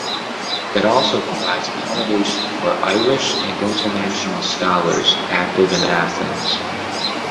It also provides accommodation for Irish and international scholars active in Athens.